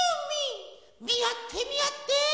みあってみあって！